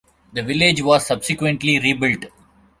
The village was subsequently rebuilt.